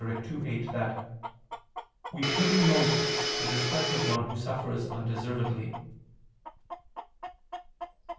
ii, 8) that "we pity most the distress of one who suffers undeservedly."